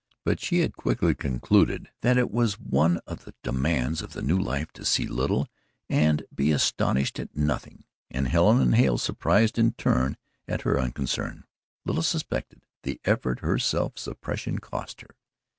But she had quickly concluded that it was one of the demands of that new life to see little and be astonished at nothing, and Helen and Hale surprised in turn at her unconcern, little suspected the effort her self suppression cost her.